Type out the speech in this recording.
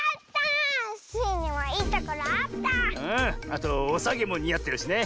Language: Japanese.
あとおさげもにあってるしね。